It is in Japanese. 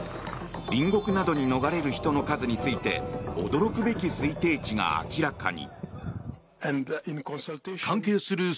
隣国などに逃れる人の数について驚くべき推定値が明らかに。